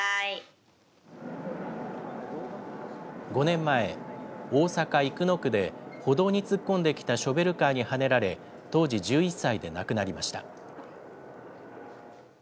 ５年前、大阪・生野区で歩道に突っ込んできたショベルカーにはねられ、当時１１歳で亡くなりました。